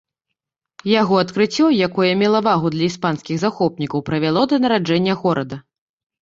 Яго адкрыццё, якое мела вагу для іспанскіх захопнікаў, прывяло да нараджэння горада.